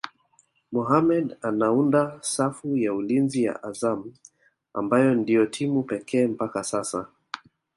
Mohammed anaunda safu ya ulinzi ya Azam ambayo ndio timu pekee mpaka sasa